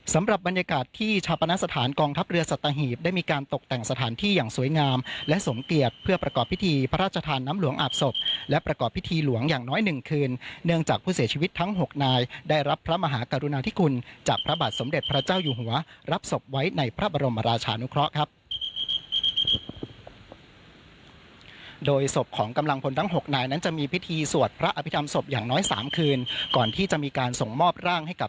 สำหรับบรรยากาศที่ชาปนสถานกองทัพเรือสัตหีบได้มีการตกแต่งสถานที่อย่างสวยงามและสมเกียรติเพื่อประกอบพิธีพระราชทานน้ำหลวงอาบศพและประกอบพิธีหลวงอย่างน้อยหนึ่งคืนเนื่องจากผู้เสียชีวิตทั้ง๖นายได้รับพระมหากรุณาธิคุณจากพระบาทสมเด็จพระเจ้าอยู่หัวรับศพไว้ในพระบรมราชานุเคราะห์ครับ